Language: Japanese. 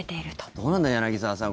どうなんだろう、柳澤さん